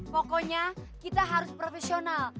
pokoknya kita harus profesional